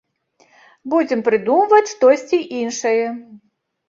Будзем прыдумваць штосьці іншае.